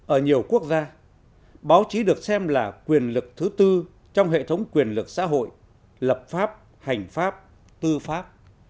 ở nhiều quốc gia báo chí được xem là quyền lực thứ tư trong hệ thống quyền lực xã hội lập pháp hành pháp tư pháp